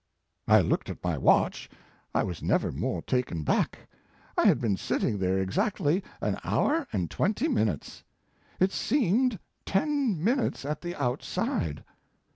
I looked at my watch I was never more taken back. I had been sitting there exactly an hour and twenty minutes! It seemed ten minutes at the outside.